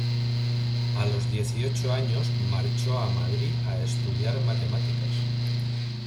A los dieciocho años marchó a Madrid a estudiar matemáticas.